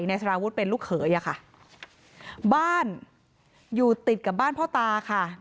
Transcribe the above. นายสาราวุธคนก่อเหตุอยู่ที่บ้านกับนางสาวสุกัญญาก็คือภรรยาเขาอะนะคะ